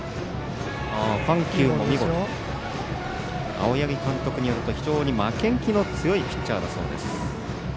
青柳監督によると非常に負けん気の強いピッチャーだそうです。